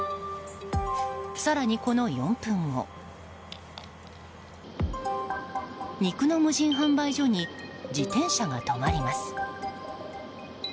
更にこの４分後肉の無人販売所に自転車が止まります。